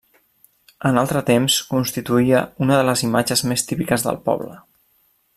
En altre temps constituïa una de les imatges més típiques del poble.